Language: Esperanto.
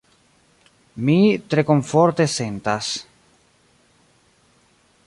Mi tre komforte sentas.